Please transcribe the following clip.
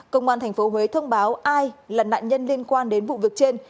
công an tp huế thông báo ai là nạn nhân liên quan đến vụ việc trên